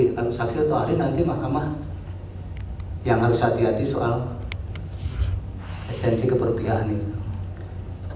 kalau saksi atau hari nanti mahkamah yang harus hati hati soal esensi keberpihakan ini